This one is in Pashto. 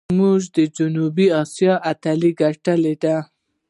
موږ د جنوبي آسیا اتلولي ګټلې ده.